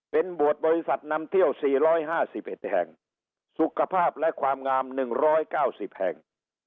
เป็นหมวดบริษัทนำเที่ยวสี่ร้อยห้าสิบเอ็ดแห่งสุขภาพและความงามหนึ่งร้อยเก้าสิบแห่ง